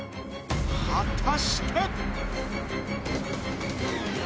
果たして？